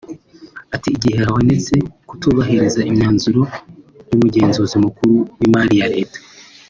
Ati “Igihe habonetse kutubahiriza imyanzuro y’Umugenzuzi Mukuru w’Imari ya Leta